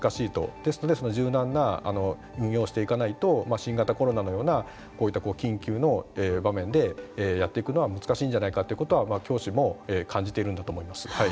ですので、柔軟な運用をしていかないと新型コロナのような緊急の場面でやっていくのは難しいんじゃないかということは教師も感じているんだと思います。